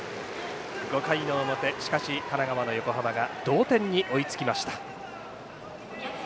５回表、しかし神奈川の横浜が同点に追いつきました。